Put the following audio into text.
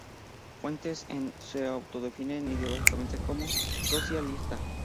Fuentes se autodefine ideológicamente como socialista.